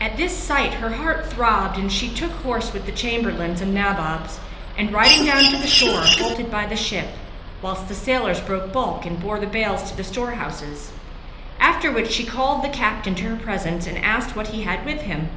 At this sight, her heart throbbed and she took horse with the Chamberlains and Nabobs and, riding down to the shore, halted by the ship, whilst the sailors broke bulk and bore the bales to the storehouses; after which she called the captain to her presence and asked what he had with him.